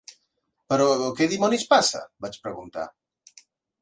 Però, què dimonis passa? —vaig preguntar.